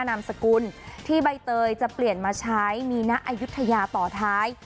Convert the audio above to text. นามสกุลที่ใบเตยจะเปลี่ยนมาใช้มีณอายุทยาต่อท้าย